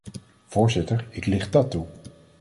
Voorzitter, ik licht dat toe.